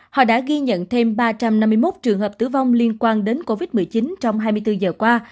họ đã ghi nhận thêm ba trăm năm mươi một trường hợp tử vong liên quan đến covid một mươi chín trong hai mươi bốn giờ qua